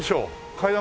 階段